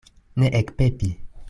Ne ekpepi!